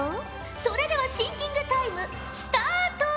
それではシンキングタイムスタート！